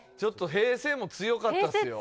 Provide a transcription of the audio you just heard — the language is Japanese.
平成も強かったっすよ。